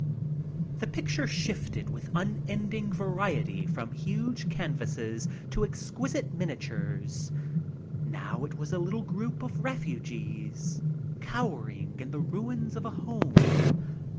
The pictures shifted with unending variety from huge canvasses to exquisite minia tures. Now it was a little group of refugees cowering in the ruins of a home.